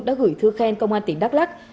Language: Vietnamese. đã gửi thư khen công an tỉnh đắk lắc